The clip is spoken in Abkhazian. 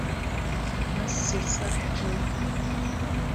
Ассир сашәҳәоит.